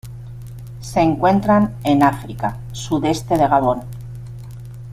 Se encuentran en África: sudeste de Gabón.